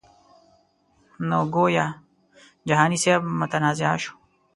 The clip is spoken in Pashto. نو ګویا جهاني صاحب متنازعه شو.